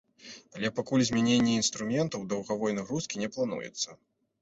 Але пакуль змяненне інструментаў даўгавой нагрузкі не плануецца.